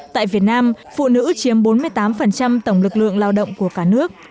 tại việt nam phụ nữ chiếm bốn mươi tám tổng lực lượng lao động của cả nước